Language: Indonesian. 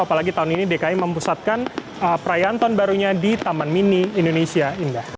apalagi tahun ini dki mempusatkan perayaan tahun barunya di taman mini indonesia indah